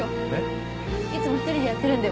いつも１人でやってるんで。